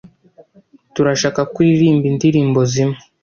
Turashaka ko uririmba indirimbo zimwe.